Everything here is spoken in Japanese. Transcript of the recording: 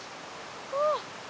ああ！